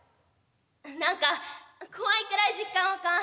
何か怖いくらい実感湧かん。